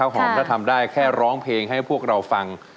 หอมถ้าทำได้แค่ร้องเพลงให้พวกเราฟัง